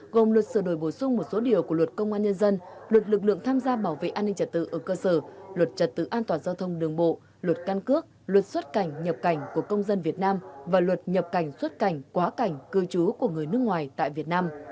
gồm luật sửa đổi bổ sung một số điều của luật công an nhân dân luật lực lượng tham gia bảo vệ an ninh trật tự ở cơ sở luật trật tự an toàn giao thông đường bộ luật căn cước luật xuất cảnh nhập cảnh của công dân việt nam và luật nhập cảnh xuất cảnh quá cảnh cư trú của người nước ngoài tại việt nam